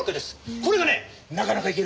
これがねなかなかいけるんですよ。